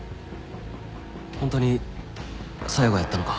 ホントに小夜がやったのか？